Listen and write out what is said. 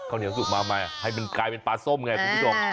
เหนียวสุกมาใหม่ให้มันกลายเป็นปลาส้มไงคุณผู้ชม